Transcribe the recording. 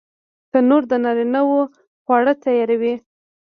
تنور د نارینه وو خواړه تیاروي